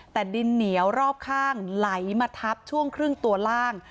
แต่ดินเหนียวรอบข้างไหลมาทับช่วงครึ่งตัวล่าง